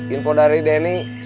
info dari denny